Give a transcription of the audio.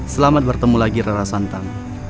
selamat bertemu lagi rara santam